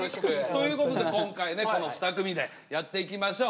ということで今回ねこのふた組でやっていきましょう。